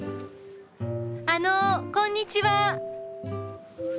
あのこんにちは。